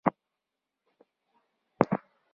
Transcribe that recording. زمانشاه به ځای پیدا نه کړي.